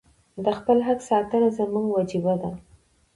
د خپل حق ساتنه زموږ وجیبه ده.